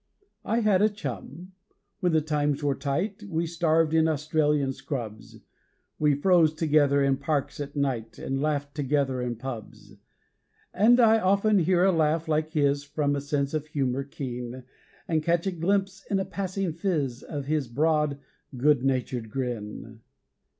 I had a chum. When the times were tight We starved in Australian scrubs; We froze together in parks at night, And laughed together in pubs. And I often hear a laugh like his From a sense of humour keen, And catch a glimpse in a passing phiz Of his broad, good humoured grin.